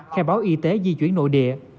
khe báo y tế di chuyển nội địa